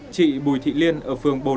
chị bùi thị liên ở phường bồ đông